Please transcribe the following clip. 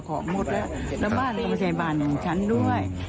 บ้านจะใช่บ้านของฉันด้วย